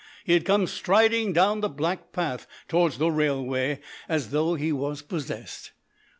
He had come striding down the black path towards the railway as though he was possessed.